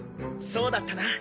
そうだったな。